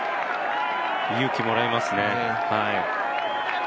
勇気もらいますね。